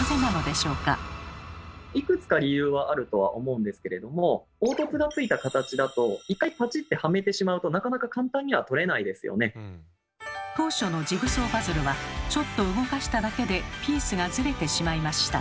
いくつか理由はあるとは思うんですけれども凹凸がついた形だと当初のジグソーパズルはちょっと動かしただけでピースがずれてしまいました。